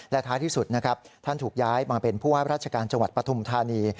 และท้ายที่สุดนะครับท่านถูกย้ายมาเป็นผู้ว่าราชการจังหวัดปฐุมธานี